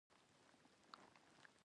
ایا زه غوټه لرم؟